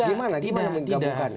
gimana gimana menggabungkan